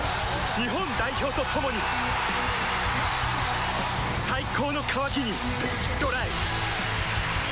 日本代表と共に最高の渇きにＤＲＹ